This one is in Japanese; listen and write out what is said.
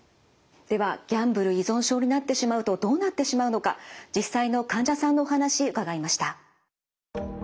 ではギャンブル依存症になってしまうとどうなってしまうのか実際の患者さんのお話伺いました。